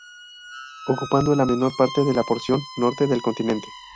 Ocupando la menor parte de la porción norte del continente.